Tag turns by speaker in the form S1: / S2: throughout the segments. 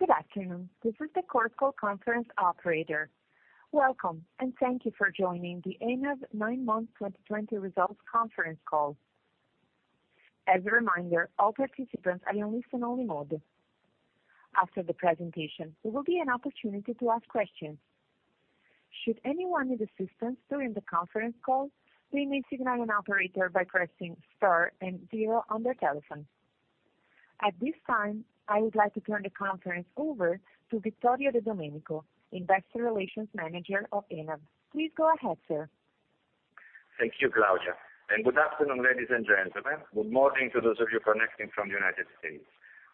S1: Good afternoon. This is the Chorus Call Conference Operator. Welcome. Thank you for joining the ENAV Nine-Month 2020 Results Conference Call. As a reminder, all participants are on listen-only mode. After the presentation, there will be an opportunity to ask questions. Should anyone need assistance during the conference call, please signal an operator by pressing star and zero on their telephone. At this time, I would like to turn the conference over to Vittorio De Domenico, Investor Relations Manager of ENAV. Please go ahead, sir.
S2: Thank you, Claudia. And good afternoon, ladies and gentlemen. Good morning to those of you connecting from the United States.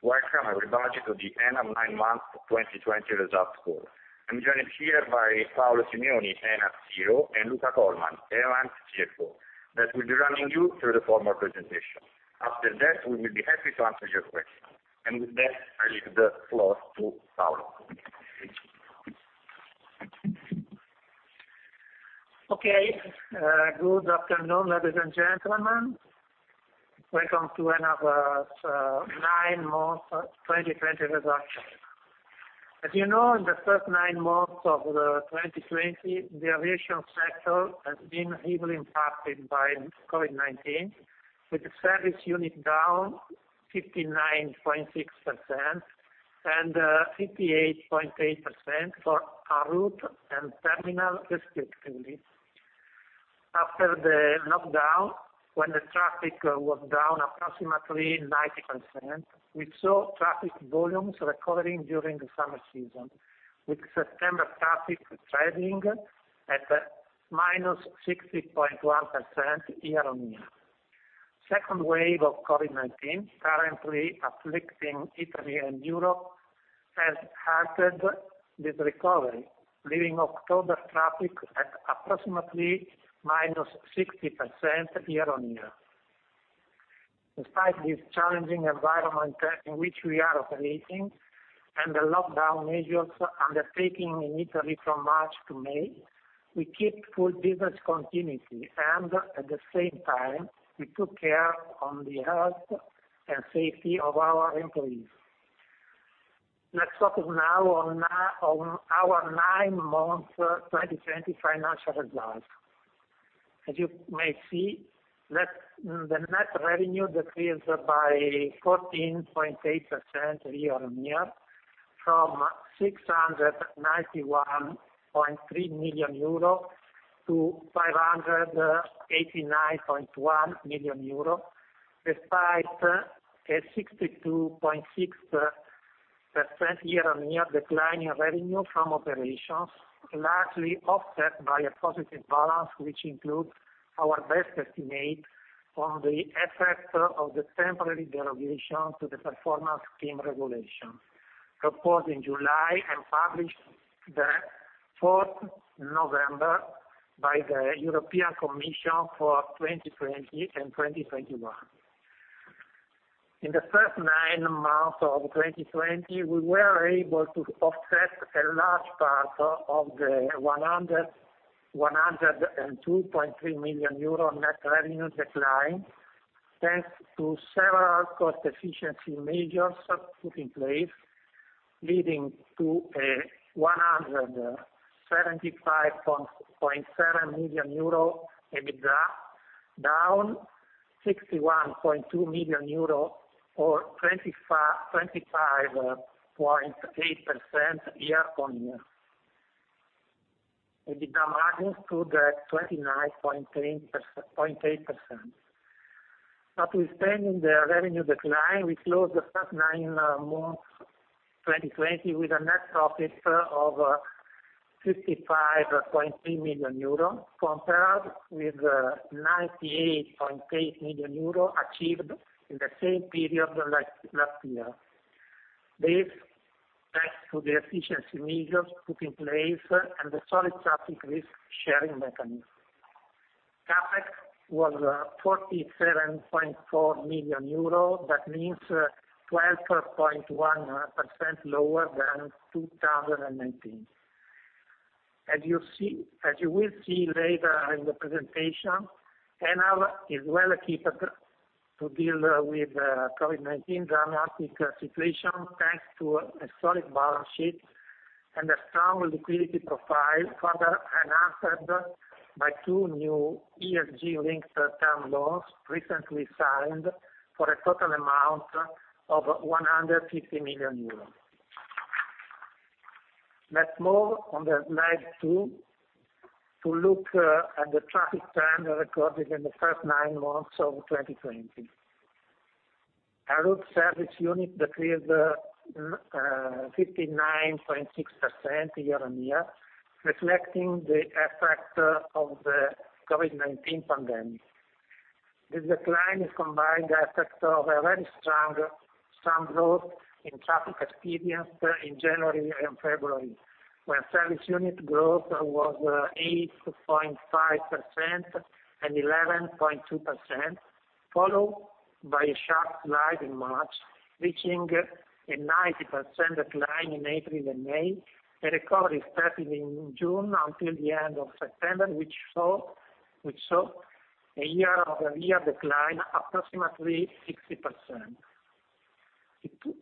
S2: Welcome, everybody, to the ENAV Nine-Month 2020 Results Call. I'm joined here by Paolo Simioni, ENAV CEO, and Luca Colman, ENAV CFO, that will be running you through the formal presentation. After that, we will be happy to answer your questions. With that, I leave the floor to Paolo. Thank you.
S3: Okay. Good afternoon, ladies and gentlemen. Welcome to ENAV nine months 2020 results. As you know, in the first nine months of 2020, the aviation sector has been heavily impacted by COVID-19, with the service unit down 59.6% and 58.8% for en route and terminal respectively. After the lockdown, when the traffic was down approximately 90%, we saw traffic volumes recovering during the summer season, with September traffic trading at the -60.1% year-on-year. Second wave of COVID-19, currently afflicting Italy and Europe, has halted this recovery, leaving October traffic at approximately -60% year-on-year. Despite this challenging environment in which we are operating and the lockdown measures undertaken in Italy from March to May, we keep full business continuity, and at the same time, we took care on the health and safety of our employees. Let's focus now on our nine months 2020 financial results. As you may see, the net revenue decreased by 14.8% year-over-year from EUR 691.3 million to 589.1 million, despite a 62.6% year-over-year decline in revenue from operations, largely offset by a positive balance, which includes our best estimate on the effect of the temporary derogation to the Performance Scheme Regulation, proposed in July and published the 4th November by the European Commission for 2020 and 2021. In the first nine months of 2020, we were able to offset a large part of the 102.3 million euro net revenue decline, thanks to several cost efficiency measures put in place, leading to a 175.7 million euro EBITDA, down 61.2 million or 25.8% year-on-year. EBITDA margin stood at 29.8%. Notwithstanding the revenue decline, we closed the first nine months 2020 with a net profit of EUR 55.3 million, compared with 98.8 million achieved in the same period last year. This, thanks to the efficiency measures put in place and the solid traffic risk sharing mechanism. CapEx was EUR 47.4 million. That means 12.1% lower than 2019. As you will see later in the presentation, ENAV is well equipped to deal with COVID-19 dramatic situation, thanks to a solid balance sheet and a strong liquidity profile, further enhanced by two new ESG-linked term loans recently signed for a total amount of 150 million euros. Let's move on the slide two to look at the traffic trend recorded in the first nine months of 2020. En route service unit decreased 59.6% year-over-year, reflecting the effect of the COVID-19 pandemic. This decline is combined effect of a very strong growth in traffic experienced in January and February, when service unit growth was 8.5% and 11.2%, followed by a sharp slide in March, reaching a 90% decline in April and May. The recovery started in June until the end of September, which saw a year-over-year decline, approximately 60%.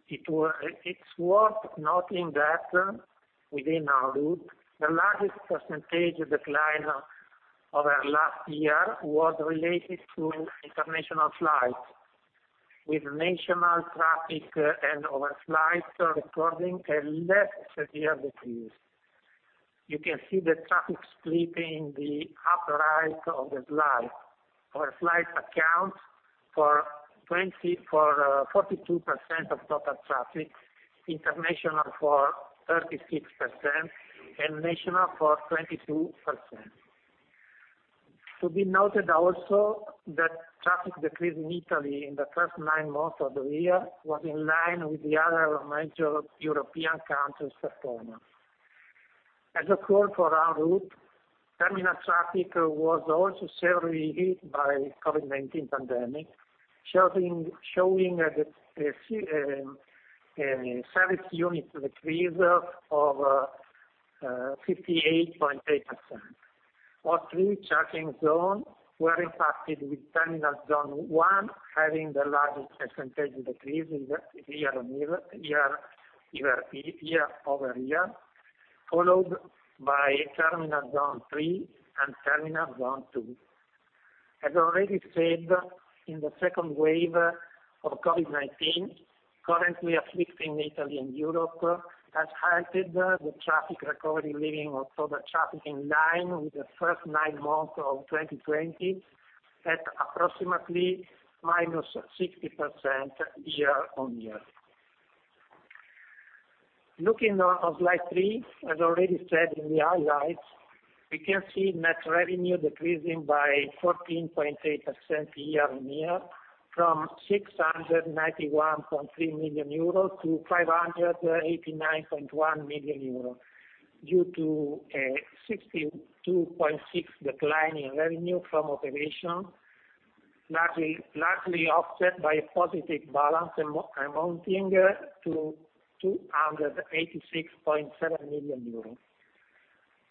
S3: It's worth noting that within our group, the largest percentage decline over last year was related to international flights, with national traffic and overflights recording a less severe decrease. You can see the traffic split in the upper right of the slide. Overflight accounts for 42% of total traffic, international for 36%, and national for 22%. To be noted also that traffic decrease in Italy in the first nine months of the year was in line with the other major European countries' performance. As a whole for our group, terminal traffic was also severely hit by the COVID-19 pandemic, showing a service unit decrease of 58.8%. All three checking zones were impacted, with terminal zone one having the largest percentage decrease year-over-year, followed by terminal zone three and terminal one, two. As already said, in the second wave of COVID-19 currently afflicting Italy and Europe, has halted the traffic recovery, leaving October traffic in line with the first nine months of 2020 at approximately -60% year-on-year. Looking on slide three, as already said in the highlights, we can see net revenue decreasing by 14.8% year-on-year from EUR 691.3 million to 589.1 million due to a 62.6% decline in revenue from operations, largely offset by a positive balance amounting to 286.7 million euro.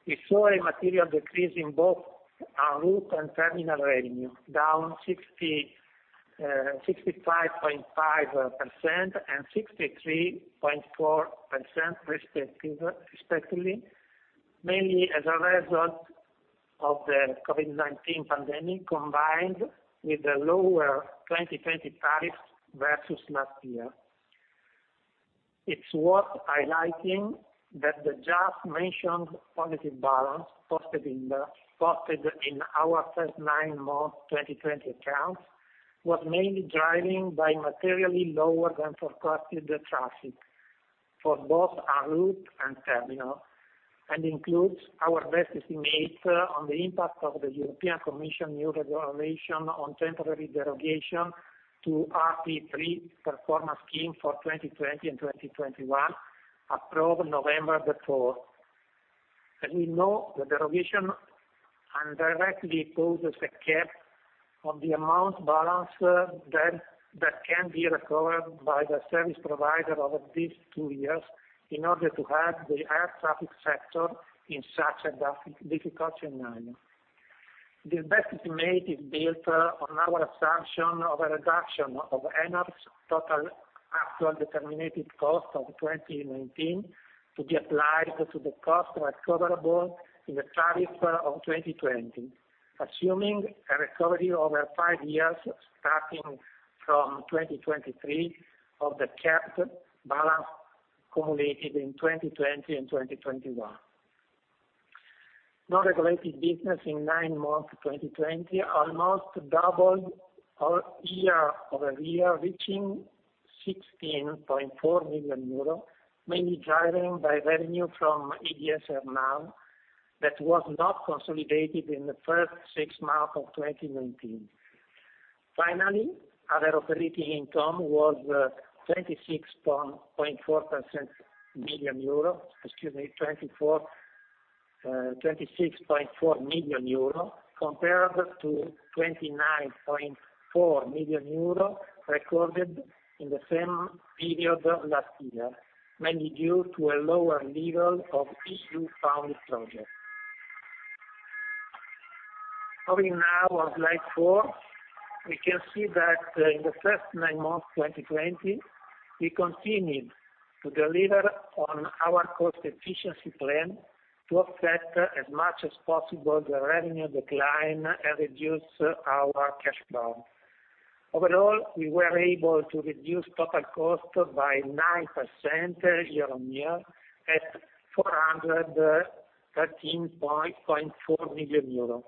S3: We saw a material decrease in both en route and terminal revenue, down 65.5% and 63.4% respectively, mainly as a result of the COVID-19 pandemic, combined with the lower 2020 tariffs versus last year. It's worth highlighting that the just mentioned positive balance posted in our first nine months 2020 accounts, was mainly driven by materially lower than forecasted traffic for both en route and terminal, and includes our best estimate on the impact of the European Commission new regulation on temporary derogation to RP3 performance scheme for 2020 and 2021, approved November the 4th. As we know, the derogation indirectly poses a cap on the amount balance that can be recovered by the service provider over these two years in order to help the air traffic sector in such a difficult scenario. The best estimate is built on our assumption of a reduction of ENAV's total actual determined cost of 2019 to be applied to the cost recoverable in the tariff of 2020, assuming a recovery over five years starting from 2023 of the capped balance accumulated in 2020 and 2021. Non-regulated business in nine months 2020 almost doubled year-over-year, reaching 16.4 million euro, mainly driven by revenue from IDS AirNav that was not consolidated in the first six months of 2019. Finally, other operating income was 26.4 million euro compared to 29.4 million recorded in the same period last year, mainly due to a lower level of EU-funded projects. Moving now on slide four, we can see that in the first nine months of 2020, we continued to deliver on our cost efficiency plan to offset as much as possible the revenue decline and reduce our cash burn. Overall, we were able to reduce total cost by 9% year-on-year at 413.4 million euro.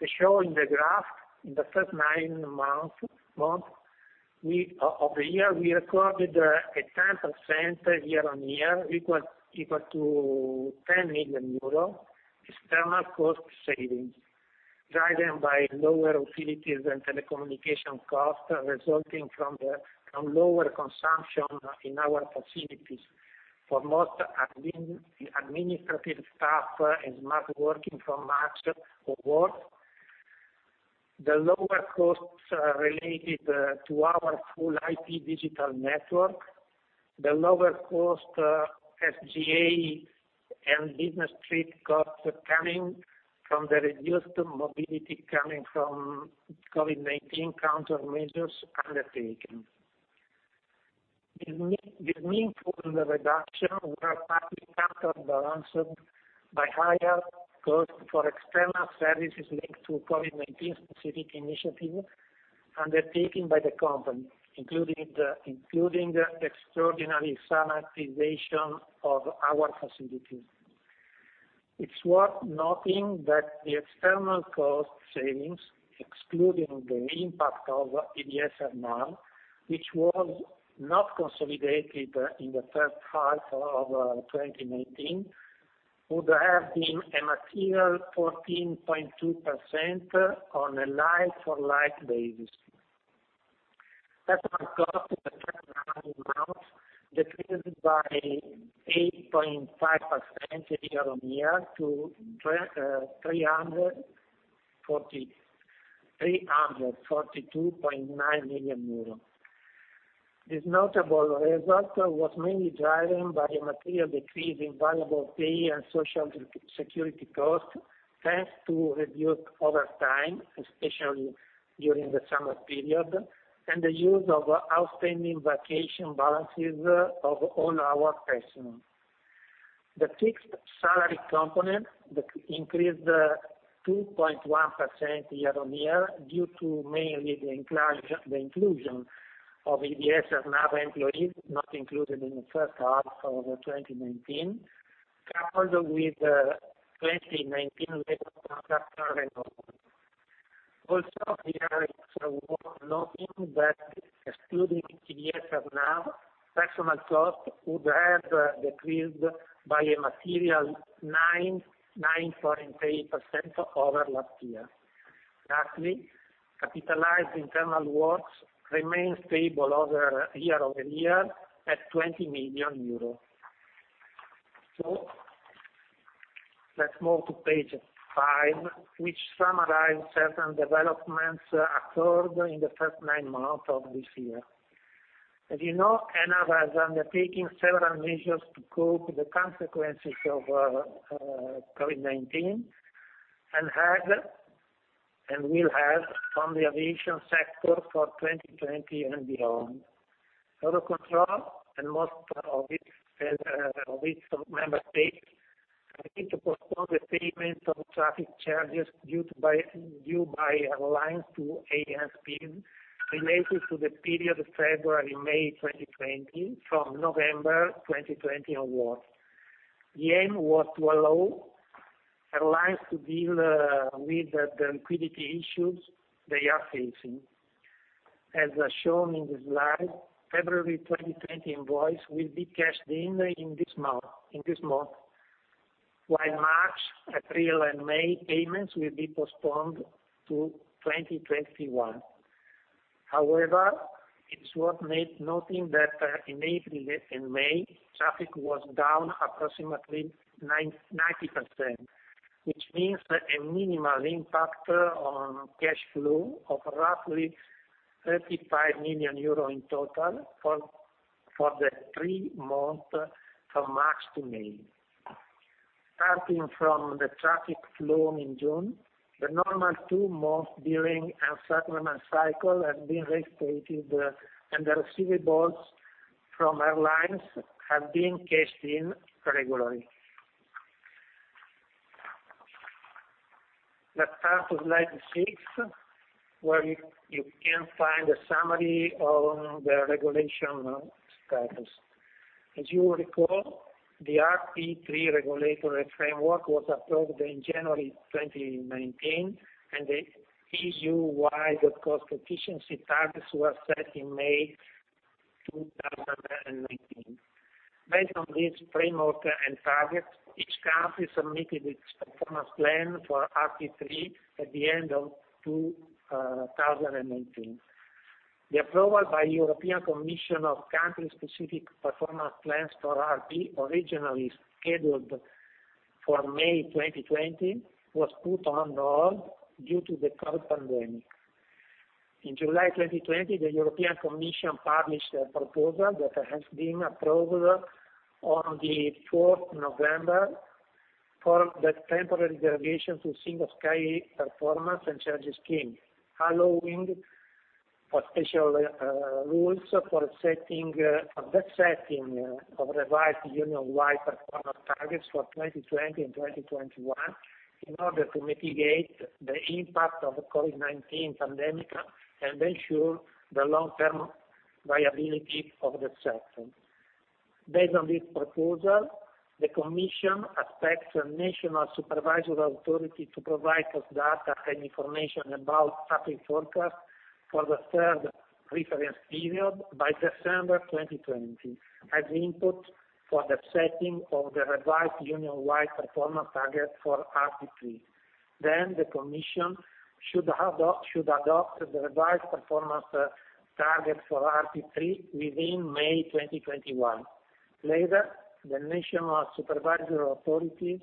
S3: We show in the graph, in the first nine months of the year, we recorded a 10% year-on-year, equal to 10 million euros external cost savings driven by lower utilities and telecommunication costs resulting from lower consumption in our facilities for most admin— administrative staff and not working from home. The lower costs related to our full IP digital network The lower cost SG&A and business trip costs are coming from the reduced mobility coming from COVID-19 counter measures undertaken. These meaningful reductions were partly counterbalanced by higher costs for external services linked to COVID-19 specific initiatives undertaken by the company, including the extraordinary sanitization of our facilities. It's worth noting that the external cost savings, excluding the impact of IDS AirNav, which was not consolidated in the first half of 2019, would have been a material 14.2% on a like-for-like basis. Personal costs in the first nine months decreased by 8.5% year-on-year to 342.9 million euro. This notable result was mainly driven by a material decrease in variable pay and social security costs, thanks to reduced overtime, especially during the summer period, and the use of outstanding vacation balances of all our personnel. The fixed salary component increased 2.1% year-on-year due to mainly the inclusion of IDS AirNav employees not included in the first half of 2019, coupled with the 2019 labor contract renewal. Also here, it's worth noting that excluding IDS AirNav, personal costs would have decreased by a material 9.8% over last year. Lastly, capitalized internal works remain stable year-over-year at EUR 20 million. Let's move to page five, which summarizes certain developments occurred in the first nine months of this year. As you know, ENAV has undertaken several measures to cope with the consequences of COVID-19 and will have on the aviation sector for 2020 and beyond. Eurocontrol and most of its member states agreed to postpone the payment of traffic charges due by airlines to ANSP related to the period February-May 2020 from November 2020 onwards. The aim was to allow airlines to deal with the liquidity issues they are facing. As shown in the slide, February 2020 invoice will be cashed in this month, while March, April, and May payments will be postponed to 2021. However, it's worth noting that in April and May, traffic was down approximately 90%, which means a minimal impact on cash flow of roughly 35 million euro in total for the three months from March to May. Starting from the traffic flow in June, the normal two-month billing and settlement cycle has been reinstated, and the receivables from airlines have been cashed in regularly. Let's pass to slide six, where you can find a summary on the regulation status. As you will recall, the RP3 regulatory framework was approved in January 2019, and the EU-wide cost efficiency targets were set in May 2019. Based on this framework and targets, each country submitted its performance plan for RP3 at the end of 2019. The approval by European Commission of country-specific performance plans for RP, originally scheduled for May 2020, was put on hold due to the COVID-19 pandemic. In July 2020, the European Commission published a proposal that has been approved on the 4th of November for the temporary deviation to Single Sky performance and charging scheme, allowing for special rules for the setting of revised union-wide performance targets for 2020 and 2021 in order to mitigate the impact of the COVID-19 pandemic and ensure the long-term viability of the sector. Based on this proposal, the Commission expects a National Supervisory Authority to provide us data and information about traffic forecast for the third reference period by December 2020, as input for the setting of the revised union-wide performance target for RP3. The Commission should adopt the revised performance target for RP3 within May 2021. Later, the National Supervisory Authority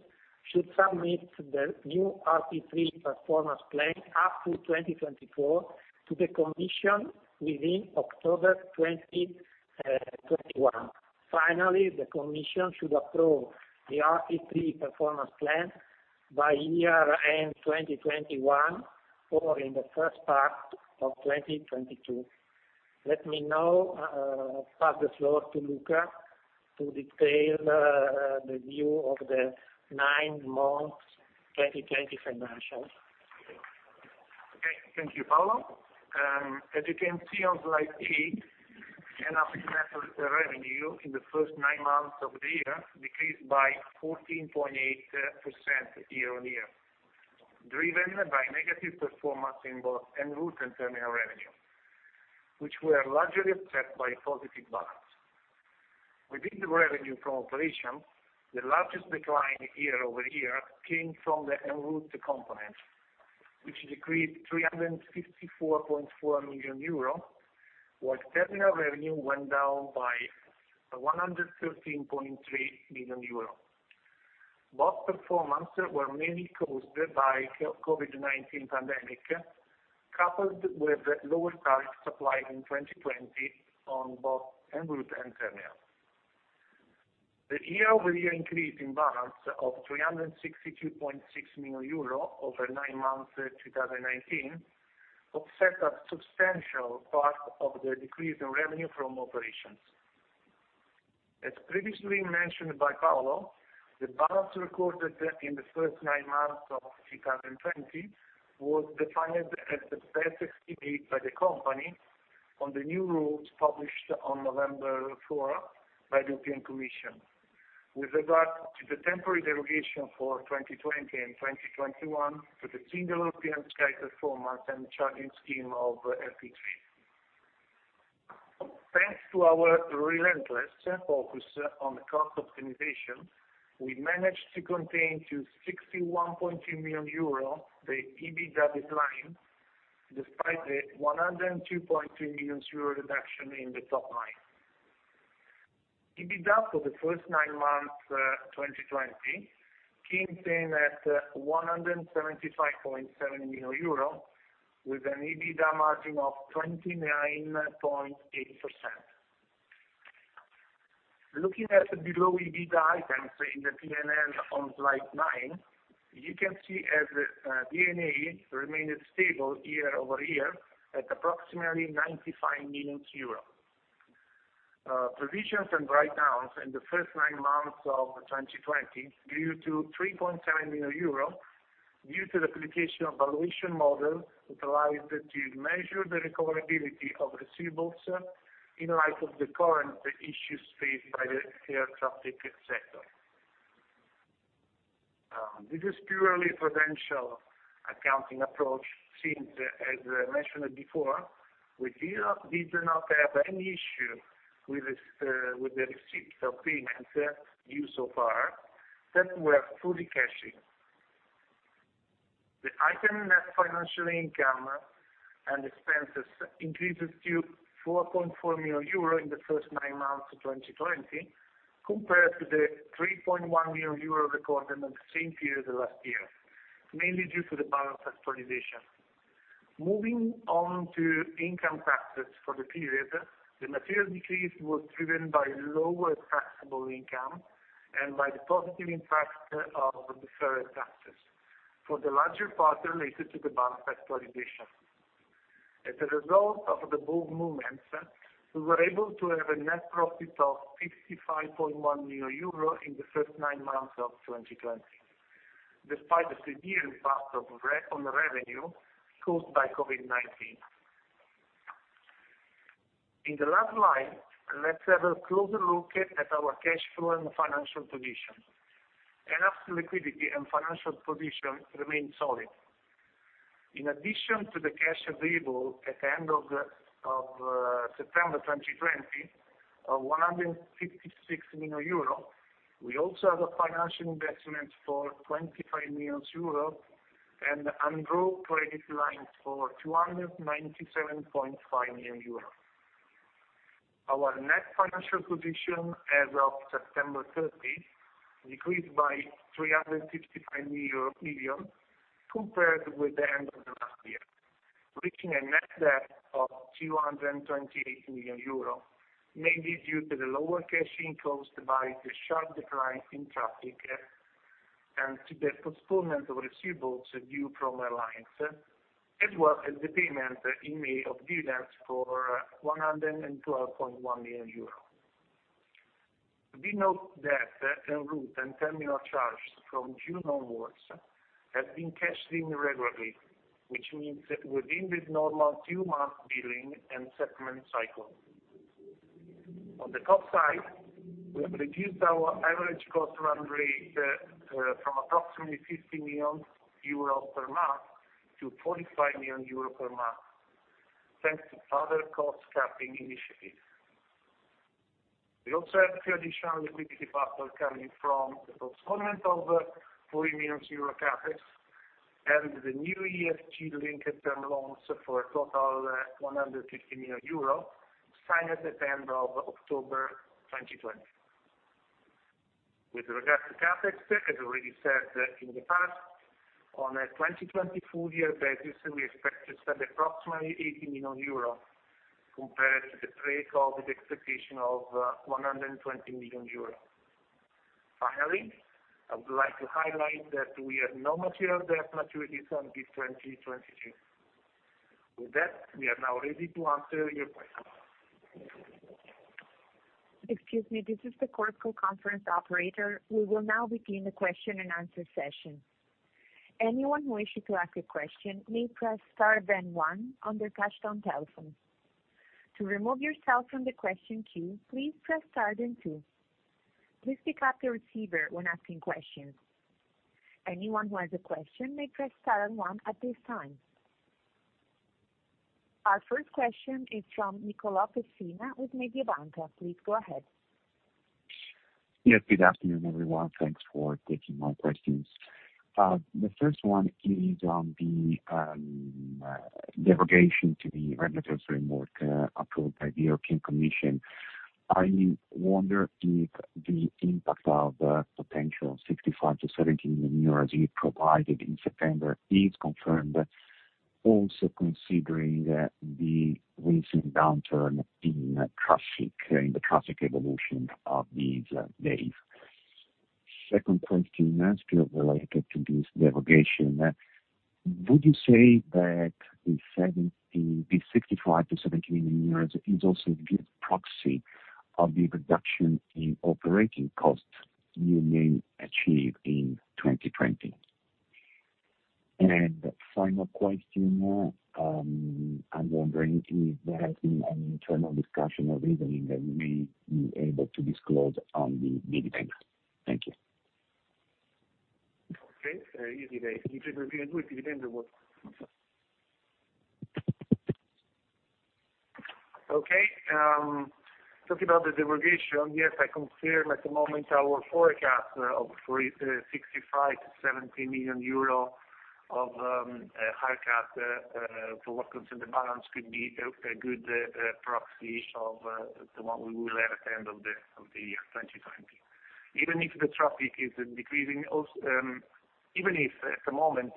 S3: should submit the new RP3 performance plan up to 2024 to the Commission within October 2021. Finally, the Commission should approve the RP3 performance plan by year-end 2021 or in the first part of 2022. Let me now pass the floor to Luca to detail the view of the nine months 2020 financials.
S4: Okay. Thank you, Paolo. As you can see on slide eight, ENAV's net revenue in the first nine months of the year decreased by 14.8% year-on-year, driven by negative performance in both en route and terminal revenue, which were largely offset by positive balance. Within the revenue from operations, the largest decline year-over-year came from the en route component, which decreased 354.4 million euro, while terminal revenue went down by 113.3 million euro. Both performance were mainly caused by COVID-19 pandemic, coupled with lower traffic supply in 2020 on both en route and terminal. The year-over-year increase in balance of 362.6 million euro over nine months 2019 offset a substantial part of the decrease in revenue from operations. As previously mentioned by Paolo, the balance recorded in the first nine months of 2020 was defined as the best estimate by the company on the new rules published on November 4 by the European Commission. With regard to the temporary delegation for 2020 and 2021 to the Single European Sky performance and charging scheme of RP3. Thanks to our relentless focus on cost optimization, we managed to contain to 61.2 million euro the EBITDA decline despite the 102.3 million euro reduction in the top line. EBITDA for the first nine months 2020 came in at 175.7 million euro, with an EBITDA margin of 29.8%. Looking at the below EBITDA items in the P&L on slide nine, you can see as D&A remained stable year-over-year at approximately 95 million euros. Provisions and write downs in the first nine months of 2020 grew to EUR 3.[timely] million Due to the application of valuation model utilized to measure the recoverability of receivables in light of the current issues faced by the air traffic sector. This is purely prudential accounting approach, since, as mentioned before, we did not have any issue with the receipt of payments due so far that were fully cashed in. The item net financial income and expenses increases to 4.4 million euro in the first nine months of 2020, compared to the 3.1 million recorded on the same period last year, mainly due to the balance actualization. Moving on to income taxes for the period, the material decrease was driven by lower taxable income and by the positive impact of deferred taxes, for the larger part related to the balance actualization. As a result of the above movements, we were able to have a net profit of 55.1 million euro in the first nine months of 2020, despite the severe impact on revenue caused by COVID-19. In the last slide, let's have a closer look at our cash flow and financial position. ENAV's liquidity and financial position remain solid. In addition to the cash available at the end of September 2020 of 156 million euro, we also have a financial investment for 25 million euro and undrawn credit line for 297.5 million euro. Our net financial position as of September 30 decreased by 365 million compared with the end of the last year, reaching a net debt of 228 million euro, mainly due to the lower cash in caused by the sharp decline in traffic and to the postponement of receivables due from airlines, as well as the payment in May of dividends for 112.1 million euros. We note that en route and terminal charges from June onwards have been cashed in regularly, which means within the normal two-month billing and settlement cycle. On the cost side, we have reduced our average cost run rate from approximately 50 million euro per month to 45 million per month, thanks to further cost cutting initiatives. We also have two additional liquidity buffer coming from the postponement of 40 million euro CapEx and the new ESG linked term loans for a total 150 million euro signed at the end of October 2020. With regard to CapEx, as I already said in the past, on a 2020 full year basis, we expect to spend approximately 80 million euros compared to the pre-COVID expectation of 120 million euros. Finally, I would like to highlight that we have no material debt maturities until 2022. With that, we are now ready to answer your questions.
S1: Excuse me, this is the Chorus Call Conference Operator. We will now begin the question and answer session. Anyone who wishes to ask a question may press star then one on their touch-tone telephone. To remove yourself from the question queue, please press star then two. Please pick up your receiver when asking questions. Anyone who has a question may press star and one at this time. Our first question is from Nicolò Pessina with Mediobanca. Please go ahead.
S5: Yes, good afternoon, everyone. Thanks for taking my questions. The first one is on the derogation to the regulatory framework approved by the European Commission. I wonder if the impact of the potential 65 million-70 million euros you provided in September is confirmed, also considering the recent downturn in the traffic evolution of these days. Second question, still related to this derogation. Would you say that the 65 million-70 million euros is also a good proxy of the reduction in operating costs you may achieve in 2020? Final question, I'm wondering if there has been any internal discussion or reasoning that you may be able to disclose on the dividend. Thank you.
S4: Okay. Very easy. If you agree with dividends or what? Okay. Talking about the derogation, yes, I confirm at the moment our forecast of 65 million-70 million euro of high CapEx for what concerns the balance could be a good proxy of the one we will have at the end of the year 2020. Even if at the moment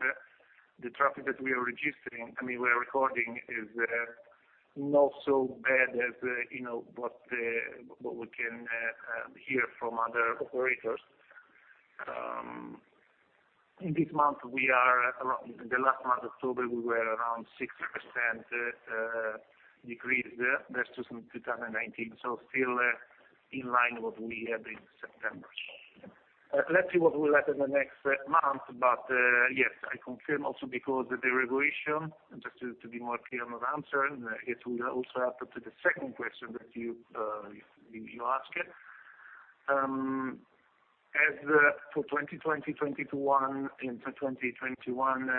S4: the traffic that we are recording is not so bad as what we can hear from other operators. In the last month, October, we were around 6% decrease versus 2019. Still in line what we had in September. Let's see what will happen the next month. Yes, I confirm also because the derogation, just to be more clear on answering, it will also add to the second question that you asked. As for 2020 to 2021, into 2021,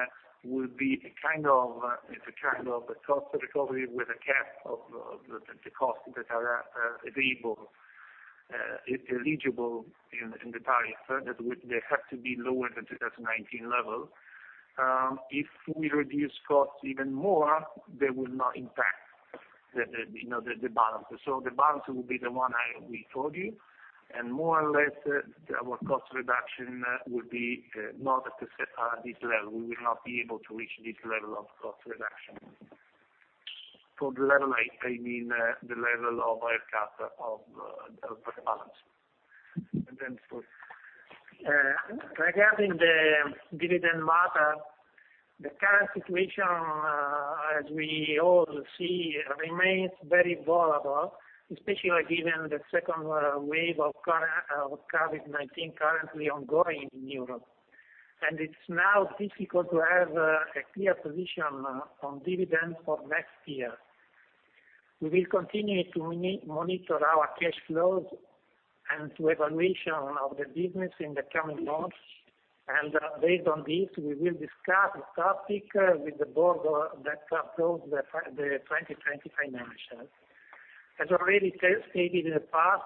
S4: it's a kind of a cost recovery with a cap of the costs that are eligible in the tariff. They have to be lower than 2019 level. If we reduce costs even more, they will not impact the balance. The balance will be the one we told you, and more or less, our cost reduction will be not at this level. We will not be able to reach this level of cost reduction. For the level, I mean the level of cap of the balance.
S3: Regarding the dividend matter, the current situation, as we all see, remains very [volatile] especially given the second wave of COVID-19 currently ongoing in Europe. And it's now difficult to have a clear position on dividends for next year. We will continue to monitor our cash flows and to evaluation of the business in the coming months. Based on this, we will discuss the topic with the Board that approves the 2020 financials. As already stated in the past,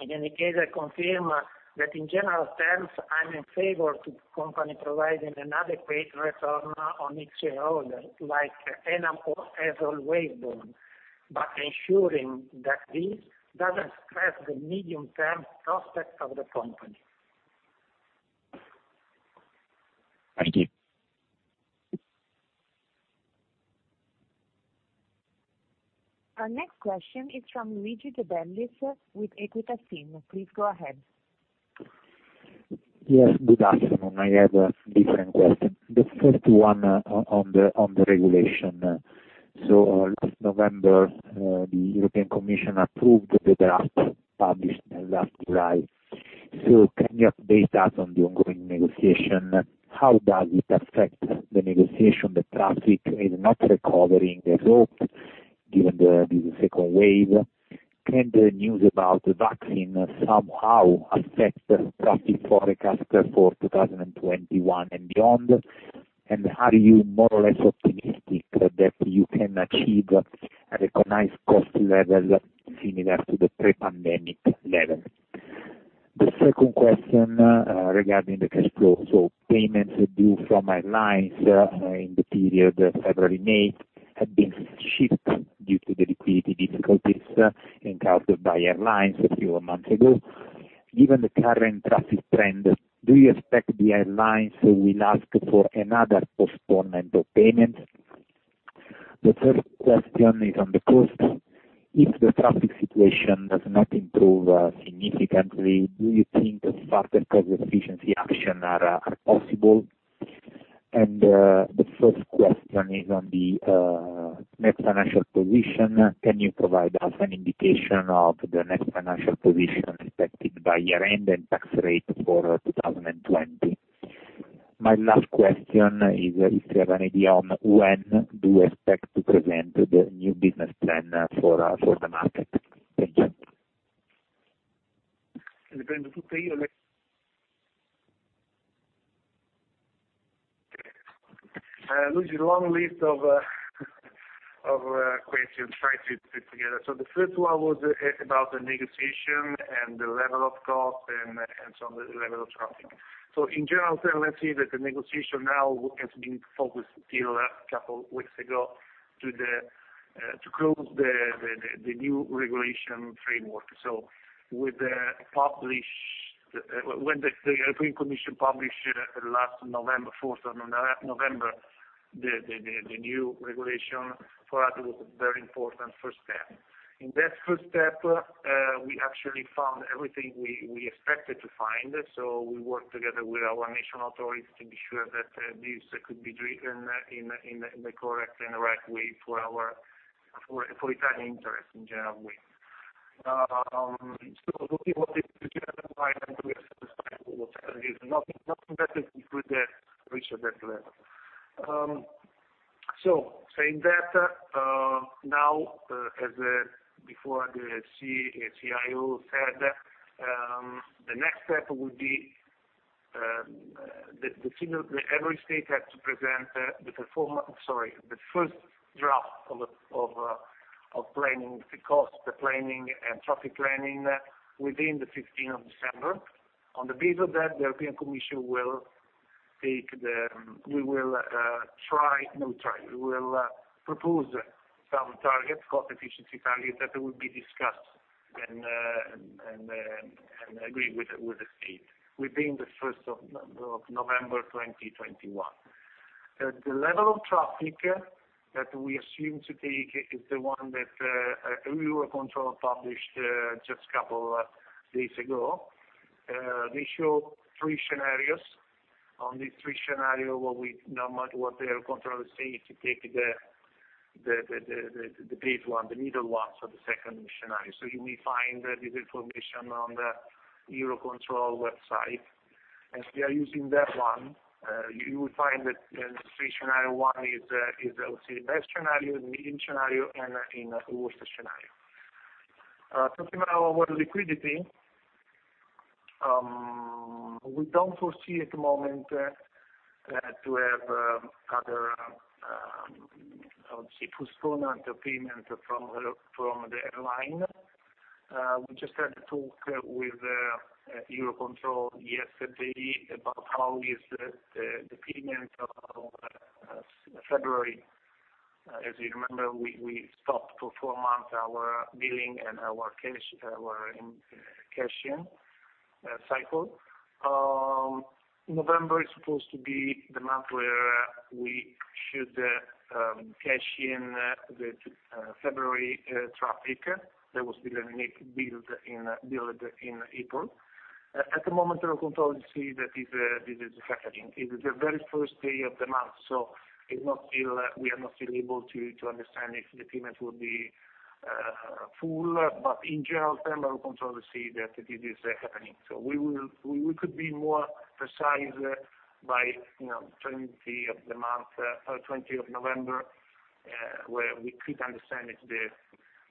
S3: in any case, I confirm that in general terms, I'm in favor to the company providing an adequate return on its shareholders like ENAV has [able], ensuring that this doesn't stress the medium-term prospects of the company.
S5: Thank you.
S1: Our next question is from Luigi De Bellis with Equita SIM. Please go ahead. Yes, good afternoon. I have a different question. The first one on the regulation. Last November, the European Commission approved the draft published last July. Can you update us on the ongoing negotiation? How does it affect the negotiation? The traffic is not recovering as hoped given this second wave. Can the news about the vaccine somehow affect traffic forecast for 2021 and beyond? Are you more or less optimistic that you can achieve a recognized cost level similar to the pre-pandemic level? The second question regarding the cash flow. Payments due from airlines in the period February-May have been shipped due to the liquidity difficulties encountered by airlines a few months ago. Given the current traffic trend, do you expect the airlines will ask for another postponement of payment? The third question is on the cost.
S6: If the traffic situation does not improve significantly, do you think further cost efficiency action are possible? The fourth question is on the net financial position. Can you provide us an indication of the net financial position expected by year-end and tax rate for 2020? My last question is, if you have an idea on when do you expect to present the new business plan for the market? Thank you.
S4: Luigi, long list of questions, try to put together. The first one was about the negotiation and the level of cost and some of the level of traffic. In general term, let's say that the negotiation now has been focused until a couple weeks ago, to close the new regulation framework. When the European Commission published last November 4th, the new regulation, for us it was a very important first step. In that first step, we actually found everything we expected to find. So we worked together with our national authorities to be sure that this could be driven in the correct and right way for Italian interests in general way. Looking what is nothing that could reach at that level. Saying that, now as before the CE— CIO said, the next step would be that every state has to present the first draft of planning the cost, the planning and traffic planning within the 15th of December. On the basis of that, the European Commission will propose some targets, cost efficiency targets, that will be discussed and agreed with the state within the 1st of November 2021. The level of traffic that we assume to take is the one that Eurocontrol published just a couple days ago. They show three scenarios. On these three scenarios, what we— no matter what Eurocontrol say is to take the base one, the middle one, so the second scenario. You may find this information on the Eurocontrol website. We are using that one. You will find that the scenario one is the best scenario, the middle scenario, and the worst scenario. Talking about our liquidity, we don't foresee at the moment to have other postponed payment from the airline. We just had a talk with Eurocontrol yesterday about how is the payment of February. As you remember, we stopped for four months our billing and our cash in cycle. November is supposed to be the month where we should cash in the February traffic that was billed in April. At the moment, Eurocontrol see that this is happening. It is the very first day of the month, we are not still able to understand if the payment will be full. In general term, Eurocontrol see that this is happening. We could be more precise by 20th of the month— 20th of November, where we could understand if the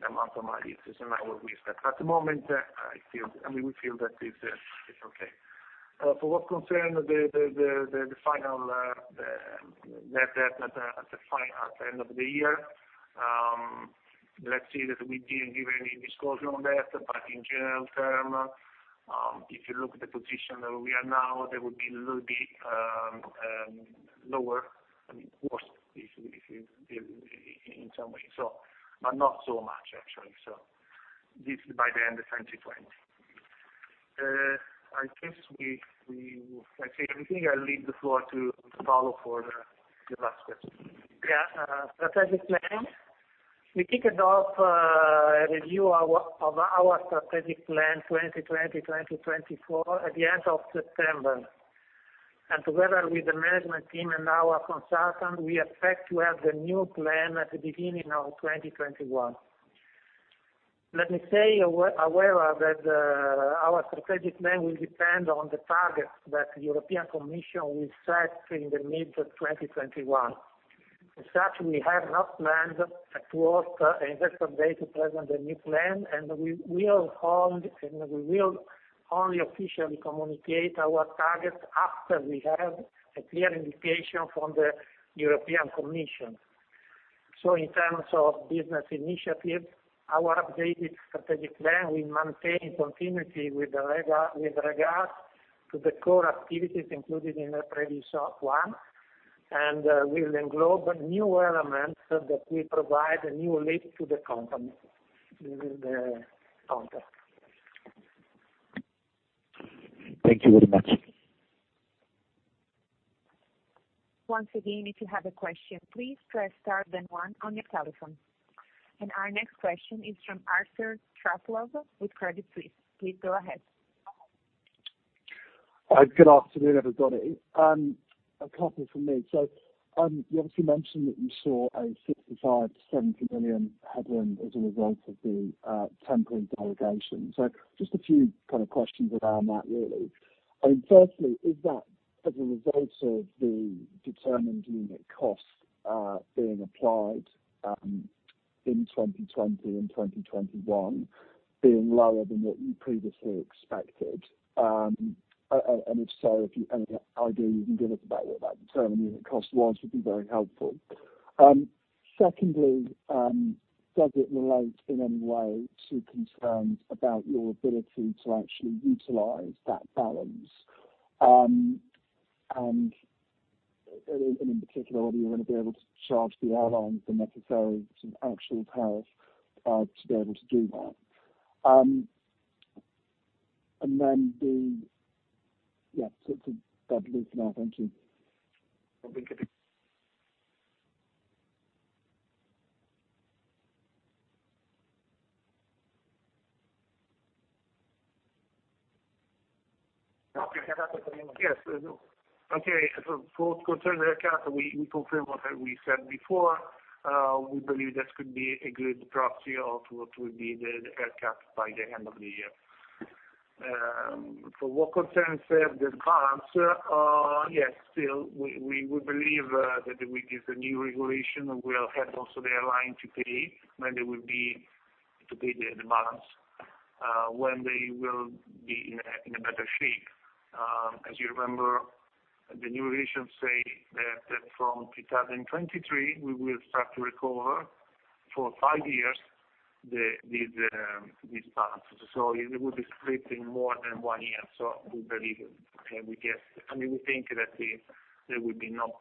S4: amount of money is in line with respect. At the moment, we feel that it's okay. For what concerns the final net at the end of the year, let's say that we didn't give any disclosure on that. In general terms, if you look at the position that we are now, there will be a little bit lower, I mean, worse in some way. Not so much, actually. This is by the end of 2020. I think we said everything. I leave the floor to Paolo for the last question.
S3: Yeah, strategic plan. We kicked off a review of our strategic plan 2020-2024 at the end of September. And together with the management team and our consultant, we expect to have the new plan at the beginning of 2021. Let me say, however, that our strategic plan will depend on the targets that the European Commission will set in the mid 2021. As such, we have not planned a investor day to present the new plan, and we will only officially communicate our targets after we have a clear indication from the European Commission. In terms of business initiatives, our updated strategic plan will maintain continuity with regards to the core activities included in the previous one, and will englobe new elements that will provide a new leap to the company within the context.
S6: Thank you very much.
S1: Once again, if you have a question, please press star then one on your telephone. Our next question is from Arthur Truslove with Credit Suisse. Please go ahead. Good afternoon, everybody. A couple from me. You obviously mentioned that you saw a 65 million-70 million headroom as a result of the temporary delegation. Just a few kind of questions around that, really. I mean, firstly, is that as a result of the Determined Unit Cost being applied, in 2020 and 2021 being lower than what you previously expected? If so, if you have any idea you can give us about what that Determined Unit Cost was, would be very helpful. Secondly, does it relate in any way to concerns about your ability to actually utilize that balance? In particular, whether you're going to be able to charge the airlines the necessary sort of actual tariff, to be able to do that. That's it for now. Thank you.
S4: Yes. Okay. For what concerns the [headcount], we confirm what we said before. We believe that could be a good proxy of what will be the [headcount] by the end of the year. For what concerns the balance, yes, still, we believe, that with the new regulation, we'll have also the airline to pay the demands when they will be in a better shape. As you remember, the new regulations say that from 2023, we will start to recover for five years these balances. It will be split in more than one year. We believe, and we think that there will be not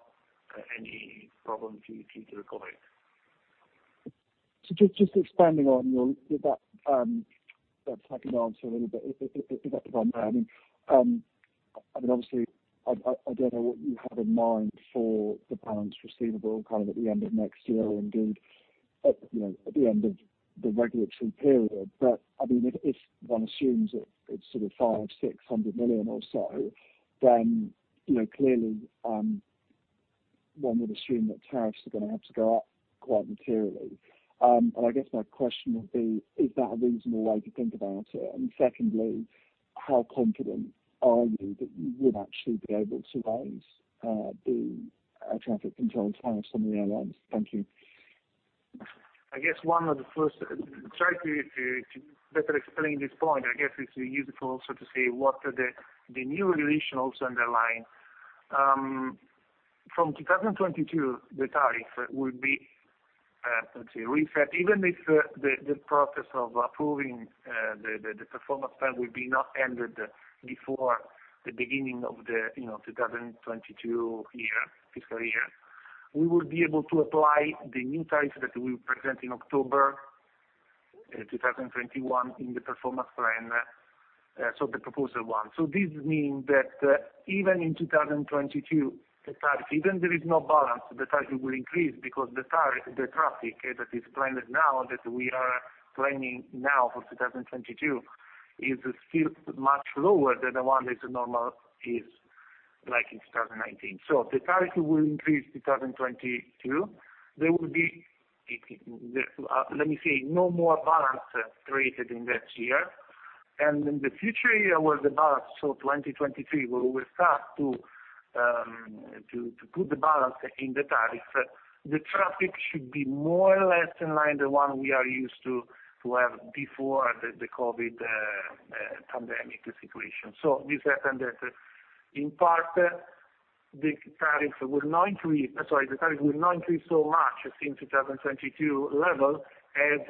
S4: any problem to recover it.
S7: Just expanding on your, with that second answer a little bit, if I may. I mean, obviously, I don't know what you have in mind for the balance receivable kind of at the end of next year and indeed at the end of the regulatory period. But if one assumes that it's sort of 500 million-600 million or so, then clearly, one would assume that tariffs are going to have to go up quite materially. I guess my question would be, is that a reasonable way to think about it? Secondly, how confident are you that you would actually be able to raise the traffic control tariffs from the airlines? Thank you.
S4: To try to better explain this point, I guess it's useful also to say what the new regulations underline. From 2022, the tariff will be, let's say, reset, even if the process of approving the performance plan will be not ended before the beginning of the, you know, 2022 year— fiscal year. We will be able to apply the new tariff that we will present in October 2021 in the performance plan, the proposal one. This means that even in 2022, the tariff, even if there is no balance, the tariff will increase because the traffic that is planned now, that we are planning now for 2022, is still much lower than the one that is normal is like in 2019. So the tariff will increase in 2022. There will be, let me say, no more balance created in that year. And in the future year, where the balance for 2023 will start to put the balance in the tariff, the traffic should be more or less in line with the one we are used to have before the COVID pandemic situation. This happened that in part, the tariff will not increase so much in 2022 level, as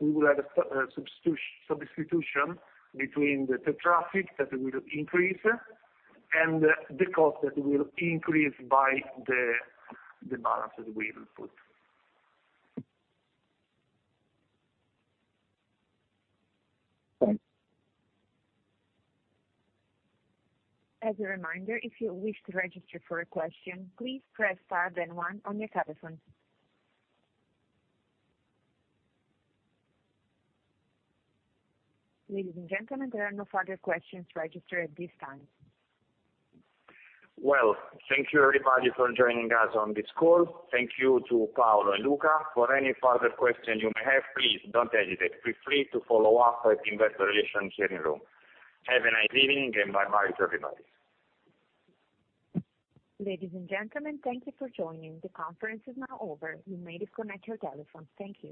S4: we will have a substitution between the traffic that will increase and the cost that will increase by the balance that we will put.
S7: Thanks.
S1: As a reminder, if you wish to register for a question, please press star then one on your telephone. Ladies and gentlemen, there are no further questions registered at this time.
S2: Well, thank you everybody for joining us on this call. Thank you to Paolo and Luca. For any further questions you may have, please don't hesitate. Feel free to follow up with investor relations here in Rome. Have a nice evening, and bye-bye to everybody.
S1: Ladies and gentlemen, thank you for joining. The conference is now over. You may disconnect your telephones. Thank you.